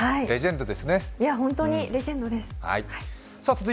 本当にレジェンドです。